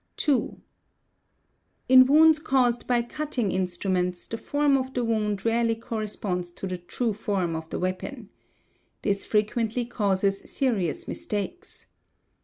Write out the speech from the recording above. In wounds caused by cutting instruments the form of the wound rarely corresponds to the true form of the weapon. This frequently causes serious mistakes.